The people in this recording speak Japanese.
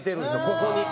ここに。